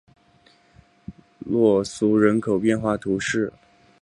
洛苏人口变化图示